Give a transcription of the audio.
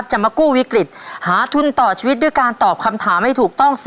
จะมากู้วิกฤตหาทุนต่อชีวิตด้วยการตอบคำถามให้ถูกต้อง